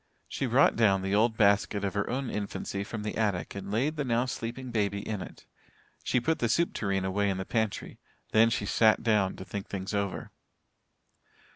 She brought down the old basket of her own infancy from the attic and laid the now sleeping baby in it. She put the soup tureen away in the pantry. Then she sat down to think things over.